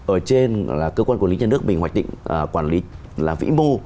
ở trên là cơ quan quản lý nhà nước mình hoạch định quản lý là vĩ mô